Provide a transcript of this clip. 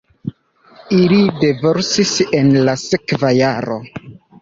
Ili divorcis en la sekva jaro.